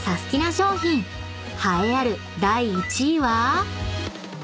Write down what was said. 商品栄えある第１位は？］